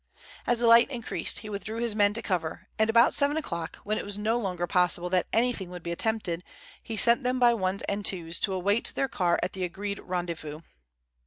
As the light increased, he withdrew his men to cover, and about seven o'clock, when it was no longer possible that anything would be attempted, he sent them by ones and twos to await their car at the agreed rendezvous.